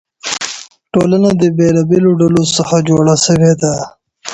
ټولنه د بېلابېلو ډلو څخه جوړه سوې ده.